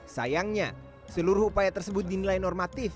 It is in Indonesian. sayangnya seluruh upaya tersebut dinilai normatif